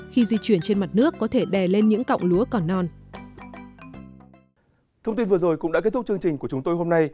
khi di chuyển trên mặt nước có thể đè lên những cọng lúa còn non